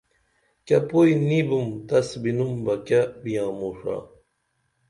کیہ پُوئی نی بِم تس بِنُم بہ کیہ بیاں موں ݜا